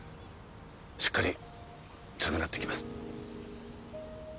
しっかり償ってきます